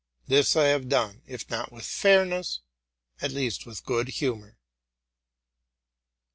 '' This I have done, if not with fairness, at least with good humor.